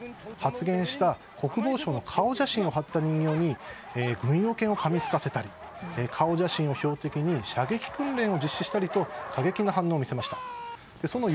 発言した国防相の顔写真を貼った人形に軍用犬にかみつかせたり顔写真を標的に射撃訓練を実施したりと過激な反応を見せました。